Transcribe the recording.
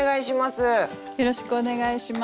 よろしくお願いします。